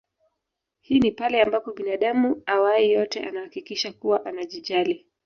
Hii ni pale ambapo binadamu awae yote anahakikisha kuwa anajijali